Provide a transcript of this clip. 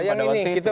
pada waktu itu